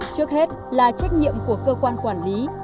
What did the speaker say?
trước hết là trách nhiệm của cơ quan quản lý